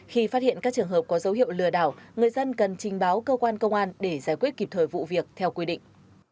khi phát hiện các trường hợp có dấu hiệu lừa đảo người dân cần trình báo cơ quan công an để giải quyết kịp thời vụ việc theo quy định